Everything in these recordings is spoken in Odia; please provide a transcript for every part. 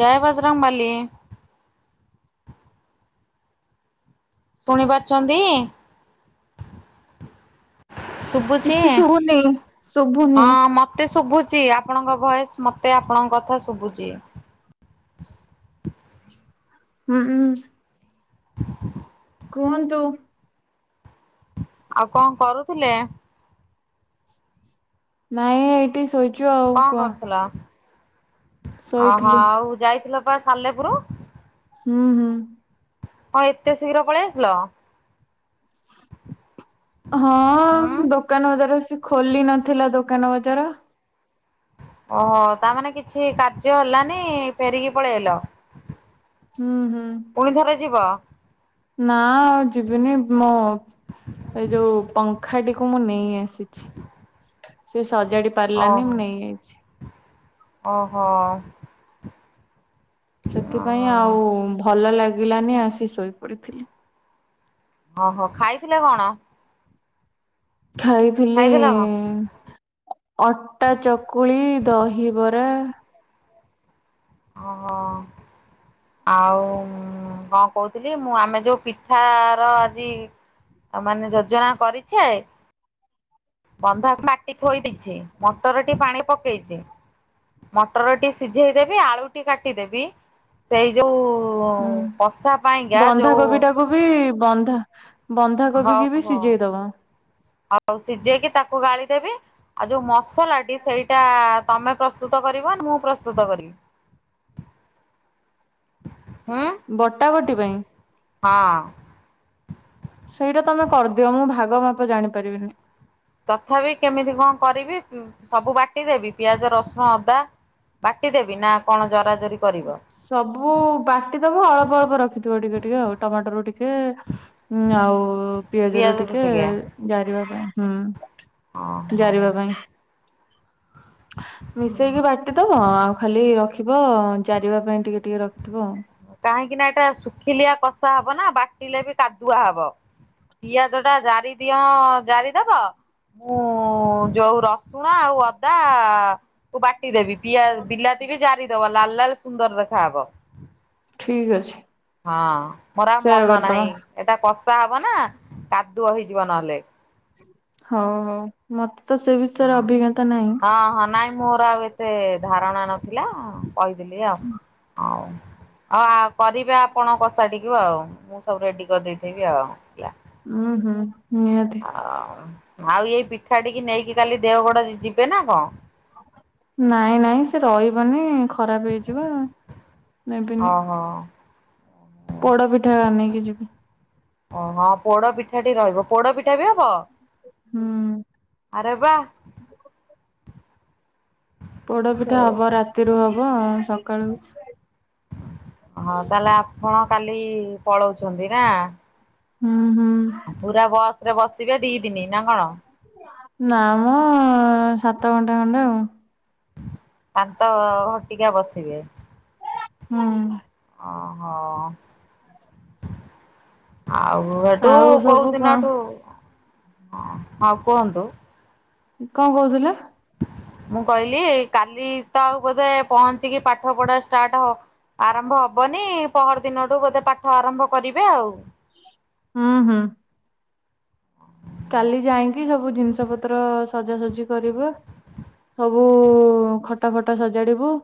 ଜୟ ବଜରଙ୍ଗବାଲି। ଶୁଣି ପାରୁଛନ୍ତି। ଶୁଭୁଛି କିଛି ଶୁଭୁନି ଶୁଭୁନି ହଁ ମତେ ଶୁଭୁଛି। ଛି ଆପଣଙ୍କ ଭଏସ୍। ମୋତେ ଆପଣଙ୍କ କଥା ସୁବୁଛି। ହୁଁ ହଁ। କୁହନ୍ତୁ। ଆଉ କଣ କରୁଥିଲେ। ନାଇଁ ଏଇଟିସ୍ ସୋଇଚୁ ଆଉ କହ୍। ଅଁ ହଁ ଆଉ ଯାଇଥିଲ। ବା ସାଲେପୁରୁ ହୁଁ ହୁଁ ହଁ ଏତେ ଶୀଘ୍ର ପଳେଇ ଆସିଲ। [unintelligible] ହୁଁ ହଁ ଦୋକାନ ବଜାରୁ ଆସି କି ଖୋଲି ନଥିଲା ଦୋକାନ ବଜାର ଓହୋ ତା ମାନେ କିଛି କାର୍ଯ୍ୟ ହେଲାନି ଫେରିକି ପଳେଇଆଇଲ [unintelligible] ହୁଁ ହୁଁ। ପୁଣି ଥରେ ଯିବ ନା ଆଉ ଯିବିନି ମୋ, ଏଇ ଯୋଉ ପଙ୍କ ଖାଡିକୁ ମୁଁ ନେଇ ଆସିଛି ସେ ସଜାଡି ପାରିଲାନି ମୁଁ ନେଇଆଇଛି ଓ ହ ସେଥିପାଇଁ ଆଉ ଭଲ ଲାଗେ ଲାଗିଲାନି ଆସି ଶୋଇ ପଡିଥିଲି, ଓହୋ ଖାଇଥିଲେ କଣ? ଖାଇଥିଲି ଖାଇଥିଲ କଣ ଅଟା ଚକୁଳି ଦହିବର ହୁଁ ଓହୋ ଆଉ କ କହୁଥିଲି ମୁଁ ଆମେ ଯୋଉ ପିଠା ର ଆଜି ଆମାନେ ଯୋଜନା କରିଛେ, ବନ୍ଧା କାଟି ଥୋଇ ଦେଇଛି ମଟରଟି ପାଣି ପକେଇଛି ମଟରଟି ସିଝେଇଦେବି ଆଳୁଟି କାଟିଦେବି ସେଇ ଯୋଉ ହୁଁ କଷା ପାଇଁକା ଯୋଉ ବନ୍ଧାକୋବି ଟାକୁ ବି ବନ୍ଧା ବନ୍ଧାକୋବି ହଉ କି ବି ହଉ ସିଝେଇଦବ ଆଉ ସିଝେଇକି ତାକୁ ଗାଳିଦେବି ଆଉ ଯଉ ମସ୍ ସୋଲାଡି ସେଇଟା ତମେ ପ୍ରସ୍ତୁତ କରିବ ମୁଁ ପ୍ରସ୍ତୁତ କରିବି [unintelligible] ହୁଁ ବଟା ବଟି ପାଇଁ? ହଁ ସେଇଟା ତମେ କରିଦିଅ ମୁଁ ଭାଗ ମାପ ଜାଣି ପାରିବିନି, ତଥାପି କେମିତି କ କରିବି ହୁଁ ସବୁ ବାଟିଦେବି ପିଆଜ ରସ୍ ହଁ ଅଦା ବାଟି ଦେବି ନା କଣ ଜରା ଜର୍ ସବୁ ବାଟିଦବ ଅଳ୍ପ ଅଳ୍ପ ରଖିଥିବ ଟିକେ ଟିକେ ଆଉ ଟମାଟୋରୁୁ ଟିକେ ଆଉ ପିଆଜ ରୁ ପିଆଜରୁ ଟିକେ ଜାରିବା ପାଇଁ ହଁ ହଁ ହଁ ହା ମିଶେଇକି ବାଟିଦବ ଆଉ ଖାଲି ରଖିବ। ଚାରିବା ପାଇଁ ଟିକେ ଟିକେ ର କାହିଁକି ନା ଏଟା ଶୁଖିଲିଆ କଷା ହବ ନା ବାଟିଲେ ବି ତାଦୁଆ ହବ ପିଆଜ ଟା ଜାରି ତିଅଁ ଜାରିଦବ। ମୁଁ ଯୋଉ ରସୁ ଣ ଆଉ ଅଦା କୁ ବାଟିଦେବି ପିଆ ବିଲାତି ବି ଜାରିଦବ ଲାଲ ଲାଲ ସୁନ୍ଦର ରଖି ଥାବ। ଠିକ୍ ଅଛି। ହଁ ମୋର ଆଉ ସେୟା ମନ କରିଦବା। ନାହିଁ ଏଟା କସ୍ ପା ହବ ନା। କାଦୁଅ ହେଇଯିବ ନହେଲେ। ହଉ ହଉ ମତ [unintelligible] ହଁ ହଁ ନାଇଁ ମୋର ଏତେ ଧାରଣା ନଥିଲା ଆ। କହିଦେଲି ଆଉ ଆଓ। ଅ ଆଉ କରିବେ ଆପଣ କଷା ଟିକ୍ କି ଆଉ ମୁଁ ସବୁ ରେଡି କରିଦେଇଥିବି ଆଉ। ଉୁଁ ହୁଁ ନିହାତି ଆ ଆଉ ଏଇ ପିଠା ଟିକ ନେଇି କାଲି ଦେଓଗଡ ଯି ଯିବେ ନା କଅଁ? ନାଇଁ ନାଇଁ ସେ ରହିବନି ଖରାପ ହେଇଯିବ। ଅ ହୋ। ପୋଡା ପିଠା ଆ ନେଇକି ଯିବି। ପଣ ପ୍। ପୋଡ ପିଠା ଟି ରହିବ ପୋଡ ପିଠା ବି ହବ? ହୁଁ ଆରେ ବାଃ। ପୋଡପିଠା ହବ ରାତିରୁ ହବ ସକ୍ କାଳୁ ହଁ ତାଲେ ଆପ୍ କଣ କାଲ୍ ଇ ପଳଉଚ଼ନ୍ତି ନା। ହୁଁ ହୁଁ ପୁରା ବସ ରେ ବସିବେ ଦି ଦିନି ନା କଣ? ନାଁ ମ ସାତ ଘଣ୍ଟା ଖଣ୍ଡେ ଆଉ। ପାନ୍ତ ଘଣ୍ଟିକିଆ ବସିବେ। [unintelligible] ଉୁଁ। ଅ ହ। ଆଉ ଏଟୁ ଆଉ କୋଉ ସବୁ କଣ ଦିନଠୁ? ଆ ହଁ କୁହନ୍ତୁ? କଁ କହୁଥିଲେ? ମୁଁ କହିଲି ଏଇ କାଲି ତ ଆଉ ବୋଧେ ପହଞ୍ଚିକି ପାଠ ପଢାସ୍ ଷ୍ଟାଟ ହବ୍ ଆରମ୍ଭ ହବନି ପହର ଦିନଠୁ ବୋଧେ ପାଠ ଆରମ୍ଭ କରିବେ ଆଉ। ହୁଁ ହୁଁ। କାଲି ଯାଇଙ୍କି ସବୁ ଜିନିଷ ପତ୍ରଅ ସଜାସଜି କରିବ ସବୁ ଉ ଖଟା ଫଟା ସଜାଡିବୁ।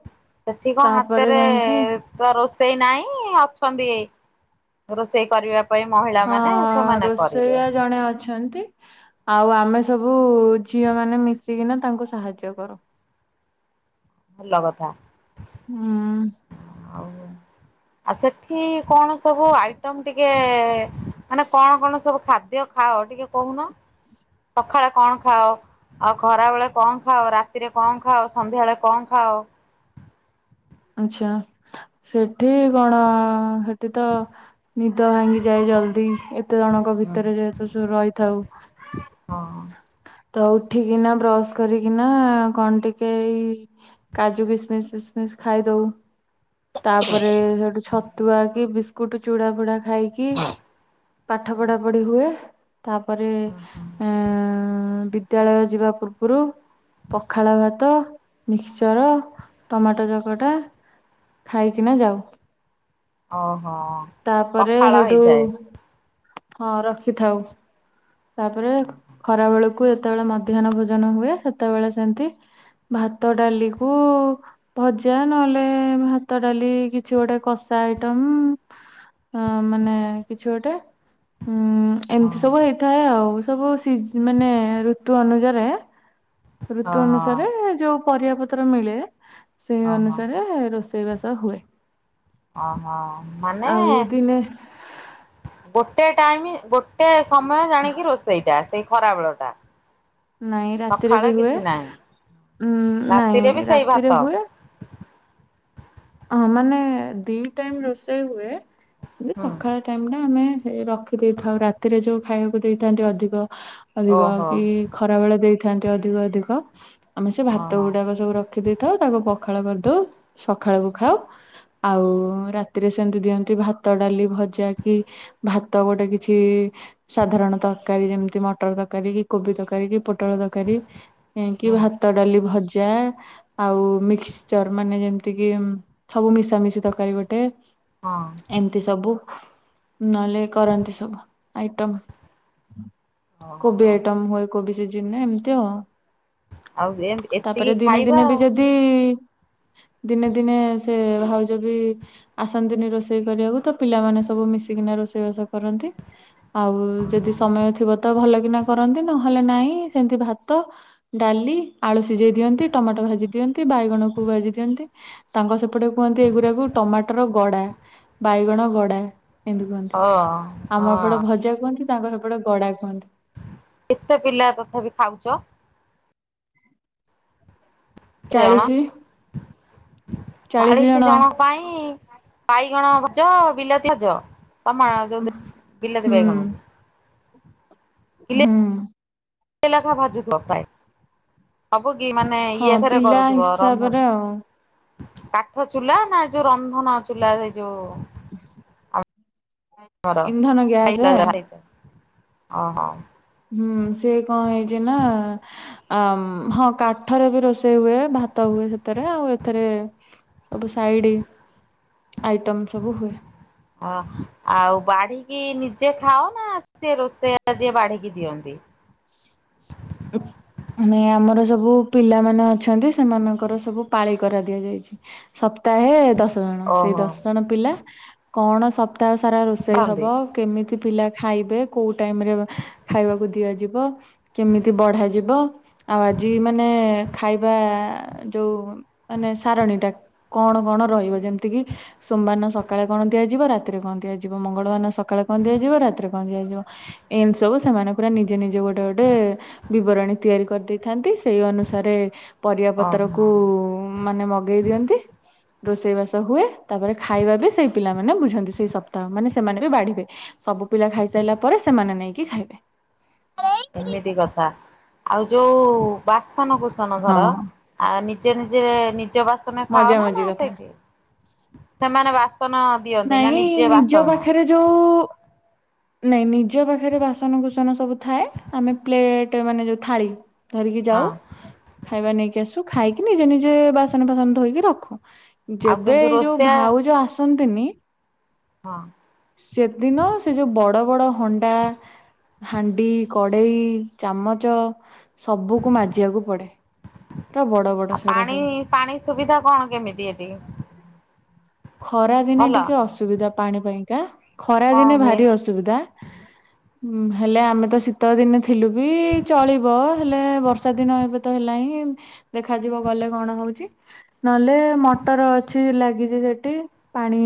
ସେଠି କଁ ତାପରେ ହାତରେ ଯାଇକି ଏ ତ ରୋଷେଇ ନାଇଁ ଅ [unintelligible] ରୋଷେଇ କରିବାପ୍ ହଁଅ ରୋଷେଇଆ ଜଣେ ଅଛନ୍ତି। ଆଉ ଆମେ ସବୁ ଉ ଝିଅ ମାନେ ମିଶିକିନା ତାଙ୍କୁ ସାହାଯ୍ୟ କରୁ। ଭଲ କଥା। ହୁଁ ଆଉ ଆସେଟ୍ କି କଣ ସବୁ ଆଇଟମ ଟିକେ ଏ ମାନେ କଣ କଣ ସବୁ ଖାଦ୍ୟ ଖାଅ ଟିକେ କହୁନ। ସଖାଳେ କଣ ଖାଅ? ଆଉ ଖରା ବେଳେ କଁ ଖାଅ ରାତିରେ କଁ ଖାଅ ସନ୍ଧ୍ୟାଏଳେ କଁ ଖାଅ? ଆଛା ସେଠି କଣ ସେଠି ତ ନିଦ ଭାଙ୍ଗି ଯାଏ ଜଲଦି। ଏତ୍ ତେ ଜଣଙ୍କ ଭିତରେ ଯେହେତୁ ସୁ ରହିଥାଉ। ହଁ। ତ ଉଠିକିନା ବ୍ରସ କରିକିନା କଣ ଟିକେ ଏଇ କାଜୁ କିସମିସ୍ସ ଫିସ୍ମିସ୍ ଖାଇଦଉ। ତା ପରେ ଏ ସେଟୁ ଛତୁଆ କି ବିସ୍ କୁଟୁ ଚୁଡ଼ା ଫୁଡା ଖାଇକି ପାଠ ପଢା ପଢି ହୁଏ‌। ତା ପରେ ଏଁ ବିଦ୍ ବିଦ୍ୟାଳୟ ଯିବା ପୂର୍ବରୁ ପଖାଳ ଭାତ ମିକସଚର ଟମାଟୋ ଚକ୍ କଟା ଖାଇକିନା ଯାଉ। ଓହୋ ତାପରେ ପଖାଳ ହେଠୁ ହେଇଥାଏ? ହଁ ରଖିଥାଉ। ତା ପରେ ଖରା ବେଳକ୍ କୁ ଯେତେବେଳେ ମଧ୍ୟା୍ହ୍ନ ଭୋଜନ ହୁଏ ସେତେବେଳେ ସେମତି ଭାତ ଡାଲିକୁ ଭଜ୍ ଦ୍ୟା ନଏଲେ ଭାତ ଡାଲି କିଛି ଗୋଟେ କଷା ଆଇଟମ୍। ଅଁ ମାନେ କିଛି ଗୋଟେ? ହୁଁ ଏମିତି ସବୁ ହେଇଥାଏ ଆଉ। ସବୁ ସିଜ୍ ମାନେ ଋତୁ ଅନୁଯାରେ ଋତୁ ଓହୋ ଅନୁସାରେ ଯୋଉ ପରିବା ପତ୍ର ମିଳେ ସେଇ ଓହୋ ଅନୁସାରେ ରୋଷେଇ ସେଇ ବାସ ହୁଏ। ଓହୋ ମାନେ ଆଉ ଦିନେ ଗୋଟ୍ ଗୋଟେ ଟାଇମ ଗୋଟେ ସମୟ ଜାଣିକି ରୋଷେଇଟା ଆସେ। ଖରାବେଳ ଟା ନାଇଁ ରାତିରେ ସକାଳେ ବି ହୁଏ କିଛି ନାହିଁ ଉଁ ରାତିରେ ବି ନାଇଁ ସେଇ ଭାତ। ରାତିରେ ହୁଏ। ହଁ ମାନେ ଦି ଟାଇମ ରୋଷେଇ ହୁଏ ଏ ସଖାଳ ଟାଇମ ଟା ଆମେ ଫେ ରଖ୍ ରଖି ଦେଇଥାଉ ରାତିରେ ଯୋଉ ଖାଇବାକୁ ଦେଇଥାନ୍ତି ଅଧିକ। ଅଧିକ ଓହୋ କି ଖରା ବେଳେ ଦେଇଥି ଥାନ୍ତି ଅଧିକ ଅଧିକ। ଆମେ ସେ ଭାତ ଓହୋ ଗୁଡାକ ସବୁ ରଖିଦେଇଥାଉ। ତାକୁ ପଖ ପଖାଳ କରିଦୋଊ ସ ସଖାଳକୁ ଖାଉ। ଆଉ ରାତିରେ ସେମିତି ଦିଅନ୍ତି। ଭାତ, ଡାଲି, ଭଜା କି ଭାତ ଗୋଟେ କିଛି ସାଧାରଣ ତରକାରୀ ଯେମିତି, ମଟର ତରକାରୀ କି କୋବି ତରକାରୀ କି ପୋଟଳ ତରକାରୀ। କିଁ କି ଭାତ ଡାଲି ଭଜ୍ ୟା ଆଉ ମମିକ୍ସଚର ମାନେ ଯେମ୍ ଏତିକି ସବୁ ମିଶାମିଶି ତରକାରୀ ଗୋଟେ। ହଁ ଏମିତି ସବୁ ନହେଲେ କରନ୍ତି, ସବୁ ଆଇଟମ୍ କୋବି ଓହୋ ଆଇଟମ୍ ହୁଏ। କୋବି ସିଜିନ ରେ ଏମିତି ଆଉ। ଆଉ ଏତିକି ତାପରେ ଦିନେ ଖାଇବା ଦିନେ ବି ଯଦି-ଇ [inaudible] ଦିନେ ଦିନେ ସେ ଭାଉଜ ବି ଆସନ୍ତିନି ରୋଷେଇ କରିବାକୁ ତ ପିଲାମାନେ ସବୁ ମିଶିକିନା ରୋଷେଇବାସ କରନ୍ତି। ଆଉ ଯଦି ଆଉ। ସମୟ ଥିବ ତ ଭଲ କିିନା କରନ୍ତି। ନହେଲେ, ନାହିଁ ସେମିତି ଭାତ ଡାଲି ଆଳୁ ସିଝେଇ ଦିଅନ୍ତି। ଟମାଟୋ ଭାଜି ଦିଅନ୍ତି। ବାଇଗଣକୁ ଭାଜି ଦିଅନ୍ତି। ତାଙ୍କ ସେପଟେ କୁହନ୍ତି ଏଗୁରାକୁ ଟମାଟର ଗଡା ବାଇଗଣ ଗଡା। ଏଁ ତି କୁହନ୍ତି। ଓ ଆମ ହଁ ଏପଟେ ଭଜା କୁହନ୍ତି। ତାଙ୍କ ସେପଟେ ଗଡା କୁହନ୍ତି। ଏତେ ପିଲା ତଥାପି ଖାଉଛ? କେତ ଜଣ? ଚାଳିଶି ଚାଳିଶ ଜଣ ପାଇଁ ବାଇଗଣ ଭ ଯ ବିଲାତିଆଜ ତମାଯୋଉ ଉଁ, ହୁଁ ବିଲାତିବାଇଗଣକୁ। ହୁଁ। ଏଲେଖା ଭାଜୁଥିବ ପ୍ରାୟ? ସବୁ କି ମାନେ ହଁ ଇଏଥରେ ପିଲା କରୁଥିବ ରନ୍ଧନ ହିସାବରେ ଆଉ। କାଠ ଚୁଲା ନା, ଯୋଉ ରନ୍ଧନ ଚୁଲା ସେଇ ଯୋଉ ଉଁହ୍ ଅ। ଇନ୍ଧନ ଗ୍ୟାସେଁ? ଅ ହଁ। ହୁଁ ସିଏ କଣ ହେଇଛି ନା? ଅମ୍ ହଁ କାଠରେ ବି ରୋଷେଇ ହୁଏ, ଭାତ ହୁଏ, ସେଥିରେ ଆଉ ଏଥରେ ସବୁ ସାଇଡ୍ ଆଇଟମ୍ ସବୁ ହୁଏ। ହଁ ଆଉ ବାଢ଼ିକି ନିଜେ ଖାଅ ନା, ସେ ରୋଷେଇଆ ଯିଏ ବାଢ଼ିକି ଦିଅନ୍ତି? ଉଁହ୍ ମାନେ ଆମର ସବୁ ପିଲାମାନେ ଅଛନ୍ତି। ସେମାନଙ୍କର ସବୁ ପାଳି କରା ଦିଆଯାଇଛି। ସପ୍ତାହେ ଦଶ ଅଣ। ହଁ, ସେଇ ଓହୋ ଦଶ ଜଣ ପିଲା କଣ ସତ। ଏତେ ସାରା ରୋଷେଇ ହବ ବାନ୍ତି କେମିତି। ପିଲା ଖାଇବେ କୋଉ ଟାଇମ୍ ରେ ଖାଇବାକୁ ଦିଆଯିବ କେମିତି। ବଢାଯିବ ଆଉ ଆଜି ମାନେ ଖାଇବା ଯୋଉ ମାନେ ସାରଣୀ ଟା କଣ କଣ ରହିବ ଯେମିତି କିି ସୋମବାର ନ ସକାଳେ କଣ ଦିଆଯିବ ରାତିରେ କଣ ଦିଆଯିବ ମଙ୍ଗଳବାର ନ ସକାଳେ କଣ ଦିଆଯିବ ରାତିରେ କଣ ଦିଆଯିବ ଏନତି ସବୁ ସେମାନେ ପୁରା ନିଜେ ନିଜେ ଗୋଟେ ଗୋଟେ। ବିବରଣୀ ତିଆରି କରିଦେଇଥାନ୍ତି ସେଇ ଅନୁସାରେ। ପରିବା ପତ୍ରକୁ ଓହୋ ମାନେ ମଗେଇ ଦିଅନ୍ତି। ରୋଷେଇ ବାସ ହୁଏ ତାପରେ ଖାଇବା ବି ସେଇ ପିଲାମାନୋନ ବୁଝନ୍ତି ସେଇ ସପ୍ତାହ ମାନେ ସେମାନେ ବି ବାଢିବେ ସବୁ ପିଲା ଖାଇସାରିଲା ପରେ ସେମାନେ ନେଇକି ଖାଇବେ। ଏମିତି କଥା। ଆଉ ଯୋଉ ବାସ୍ ସନ କୁସନ ହଁ ଧର ଆ ନି ନିଯେ ନିଜେ ନି। ନିଯବାସନ ରେ ଖାଅ ମଜା ନା ନା ମଜି କଥା ସେଇଠି। ସେମାନେ ବାସ ନାଇଁ ନିଜ ପାଖରେ ଯୋଉ। ନାଇଁ ନିଜ ପାଖରେ ବାସନକୁସନ ସବୁ ଥାଏ ଆମେ ପ୍ଲେଟ୍ ମାନେ ଯୋଉ ଥାଳି। ଧରିକି ଯାଉ ହଁ ଖାଇବା ନେଇକି ଆଶୁ। ଖାଇକି ନିଜେ ନିଜେ ବାସନ ଫାସନ ଧୋଇକି ରଖୁ। ଆଉ ଯେବେ କିନ୍ତୁ ଏଇ ଯୋଉ ରୋଷେଇଆ ଭାଉଜ ଆସନ୍ତି। ନ୍ତୀନୀ। ହଁ ସେଦିନ ସେ ଯୋଉ ବଡ ବଡ ହଣ୍ଡା। ହାଣ୍ଡି କଡେଇ ଚାମଚ ସବୁକୁ ମାଜିବାକୁ ପଡେ। ପୁରା ବଡ ବଡ ଆଉ ସେଗୁରା ପାଣି ସବୁ ପାଣି ସୁବିଧା କଣ କେମିତି ଏଠି। ଖରା ଦିନେ ଭଲ ଟିକେ ଅସୁବିଧା ପାଣି ପାଇଁକା ଖରା କଣ ଦିନେ ହୁଏ ଭାରି ଅସୁବିଧା। ଉଁ ହେଲେ ଆମେ ତ ଶୀତ ଦିନେ ଥିଲୁ ବି ଚଳିବ ହେଲେ ବର୍ଷା ଦିନ ଏବେ ତ ହେଲା ହିଁ ଦେଖାଯିବ ଗଲେ କଣ ହଉଛି ନହେଲେ ମଟର ଅଛି ଲାଗିଛି ସେ ଠିି ପାଣି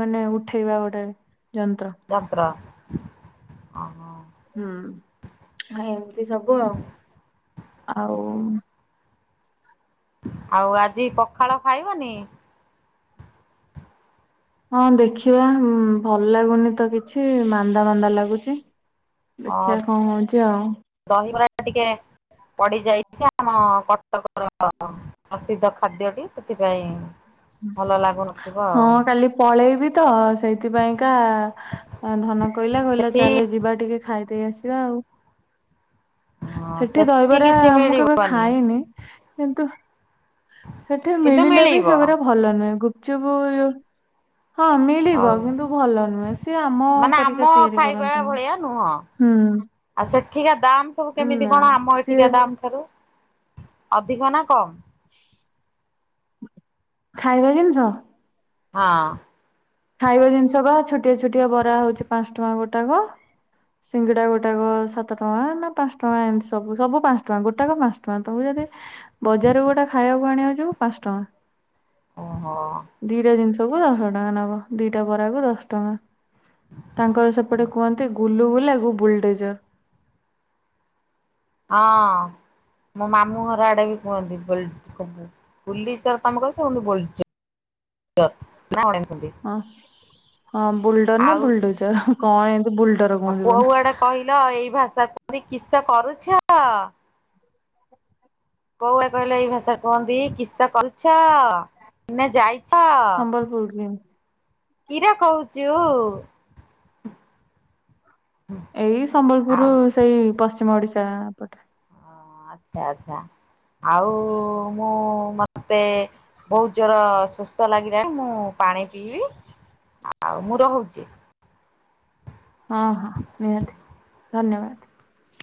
ମାନେ ଉଠେଇବା ଗୋଟେ। ଯନ୍ତ୍ର। ଯନ୍ତ୍ର। ଅ ହ। ହୁଁ ଏମିତି ସବୁ ଆଉ। ଆଉ। ଆଉ ଆଜି ପଖାଳ ଖାଇବନି। ହଁ ଦେଖିବା ଭଲ ଲାଗୁନି ତ କିଛି ମାନ୍ଦା ମାନ୍ଦା ଲାଗୁଚି। ଅ ଦେଖିବା କଣ ହଉଛି ଆଉ। ଦହିବରା ଟିକେ ପଡି ଯାଇଛି ଆମ କଟକର ପ୍ରସିଦ୍ଧ ଖାଦ୍ୟଟି ସେଥିପାଇଁ। ଭଲ ଲାଗୁନଥିବ ହଁ ଆଉ କାଲି ପଳେଇବି। ତ। ସେଇଥିପାଇଁକା ଧନ କହିଲା କହିଲା ସେଠି ଚାଲେ ଯିବା ଟିକେ ଖାଇ। ଦେଇ ଆସିବା ଆଉ। ହଁ ସେଠି ଦହିବରା କିଛି ମୁଁ କେବେ ମିଳିବନି ଖାଇନି କିନ୍ତୁ ସେଠି କିନ୍ତୁ ମିଳିଲେ ବି ମିଳିବ ସେଗଡ଼ା ଗୁପଚୁପ ହଁ ମିଳିବ ହଉ। କିନ୍ତୁ ଭଲ ନୁହେଁ। ସିଏ ଆମ ମାନେ ଆମ ପରୀକା ତିଆରି ଖାଇବା କରନ୍ତିନି ଭଳିଆ ନୁହଁ। ହୁଁ ଆଉ ସେଠିକା ଦାମ୍ ସବୁ କେମିତି ନା କଣ ଆମ ସିଏ ଏଠିକା ଦାମ୍ ଠାରୁ ଅଧିକ ନା କମ୍? ଖାଇବା ଜିନିଷ? ହଁ ଖାଇବା ଜିନିଷ ବା ଛୋଟିଆ ଛୋଟିଆ ବରା ହଉଛି ପାଞ୍ଚ ଟଙ୍କା ଗୋଟାକ ସିଙ୍ଗିଡା ଗୋଟାକ ସାତ ଟଙ୍କା ନା ପାଞ୍ଚ ଟଙ୍କା ଏମିତି ସବୁ ସବୁ ପାଞ୍ଚ ଟଙ୍କା ଗୋଟାକ ପାଞ୍ଚ ଟଙ୍କା ତମକୁ ଯଦି ବଜାରକୁ ଗୋଟେ ଖାଇବାକୁ ଆଣିିବା ଅଛି ପାଞ୍ଚ ଟଙ୍କା ଓହୋ ଧୀରେ ଜିନିଷ ସବୁ ଦଶ ଟଙ୍କା ନବ ଦିଟା ବରା କୁ ଦଶ ଟଙ୍କା। ତାଙ୍କର ସେପଟେ କୁହନ୍ତି ଗୁଲୁଗୁଲୂ କୁ ବୁଲଡେଜର ହଁ ମୋ ମାମୁଁ ଘର ଆଡେ ବି କୁହନ୍ତି ବୁଲଡିଓ ପୁଲିଚର ତମେ [inaudible] ହଁ ହଁ ବୁଲଡର ନା ବୁଲଡୁଚର କଣ ଏ? ଆ କୁଆ କୁଆଡେ କହିଲ ଏଇ ଭାଷାକୁ ତେ କିସା କରୁଛ? କୋଉଆଆ କହିଲ ଏଇ ଭାଷାରେ କୁହନ୍ତି? କିସ କରୁଛ ନା ଯାଇ ସମ୍ବଲପୁର କି? କିରା କହୁଛୁ? ଏଇ ସମ୍ବଲପୁର ଆଉ ସେଇ ପଶ୍ଚି ମୋଡ଼ିଶା ପଟ ହ ଆଚ୍ଛା ଆଚଛା। ଆଉ ମୁଁ ମତେ ବହୁତ ଜୋର ଶୋଷ ଲାଗିଲାଣି ମୁଁ ପାଣି ପିଇବି। ଆଉ ମୁଁ ରହୁଚି। ହଁ ହଁ ନିହାତି ଧନ୍ୟବାଦ।